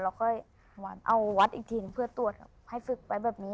แล้วก็เอาวัดอีกทีเพื่อตรวจให้ฝึกไว้แบบนี้